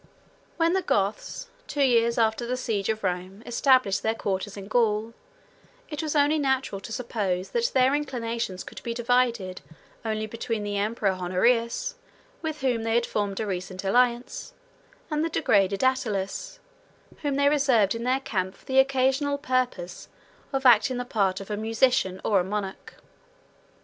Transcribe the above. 153 When the Goths, two years after the siege of Rome, established their quarters in Gaul, it was natural to suppose that their inclinations could be divided only between the emperor Honorius, with whom they had formed a recent alliance, and the degraded Attalus, whom they reserved in their camp for the occasional purpose of acting the part of a musician or a monarch.